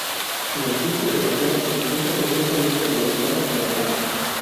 La industria de la zona se encuentra estrechamente relacionada con el campo.